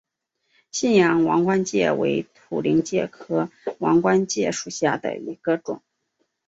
信阳王冠介为土菱介科王冠介属下的一个种。